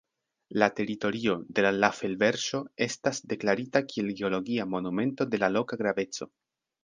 La teritorio de la laf-elverŝo estas deklarita kiel geologia monumento de la loka graveco.